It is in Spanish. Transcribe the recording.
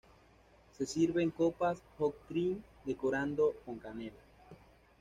Se sirve en copas "hot drink", decorando con canela.